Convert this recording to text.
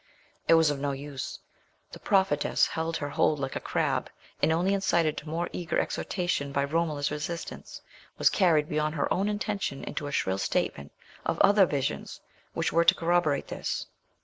It was of no use. The prophetess kept her hold like a crab, and, only incited to more eager exhortation by Romola's resistance, was carried beyond her own intention into a shrill statement of other visions which were to corroborate this.